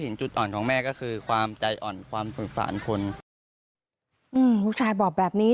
ลูกชายบอกแบบนี้